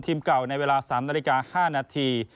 เก่าในเวลา๓นาฬิกา๕นาที